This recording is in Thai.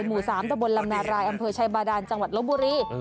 หมู่๓ตะบนลำนารายอำเภอชัยบาดานจังหวัดลบบุรี